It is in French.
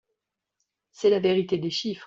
C’est la vérité des chiffres.